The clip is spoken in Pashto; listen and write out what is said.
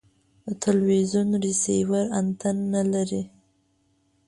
د تلوزیون ریسیور انتن نلري